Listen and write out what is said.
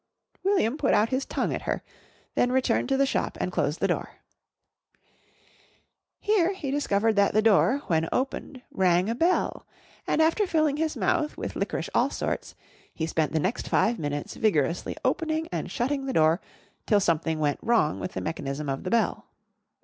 William put out his tongue at her, then returned to the shop and closed the door. Here he discovered that the door, when opened, rang a bell, and, after filling his mouth with Liquorice All Sorts, he spent the next five minutes vigorously opening and shutting the door till something went wrong with the mechanism of the bell.